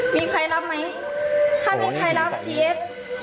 มีใครรับไหมถ้ามีใครรับซีเอฟ